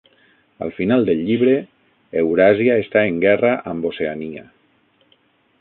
Al final del llibre, Euràsia està en guerra amb Oceania.